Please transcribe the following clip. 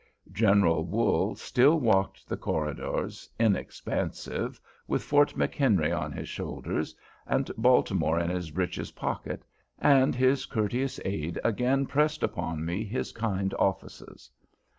General Wool still walked the corridors, inexpansive, with Fort McHenry on his shoulders, and Baltimore in his breeches pocket, and his courteous aid again pressed upon me his kind offices.